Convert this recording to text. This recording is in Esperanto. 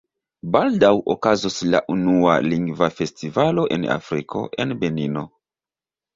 Baldaŭ okazos la unua Lingva Festivalo en Afriko, en Benino.